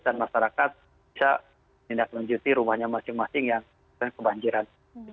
dan masyarakat bisa tindak lanjuti rumahnya masing masing yang terkena kebanjiran